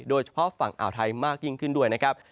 โดยเฉพาะฝั่งอ่าวไทยมากยิ่งขึ้นด้วยนะครับ